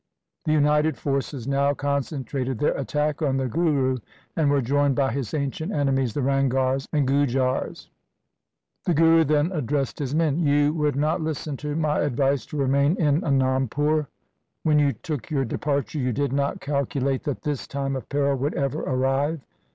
The united forces now con centrated their attack on the Guru and were joined by his ancient enemies the Ranghars and Gujars. The Guru then addressed his men, ' You would not listen to my advice to remain in Anandpur. When you took your departure, you did not calcu late that this time of peril would ever arrive.